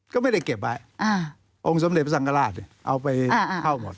ก็ไม่ได้เก็บไว้องค์สมเด็จพระสังฆราชเอาไปเข้าหมด